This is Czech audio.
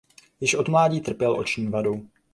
Již od mládí trpěl oční vadou.